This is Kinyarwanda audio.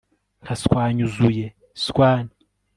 Nka swanyuzuyeswan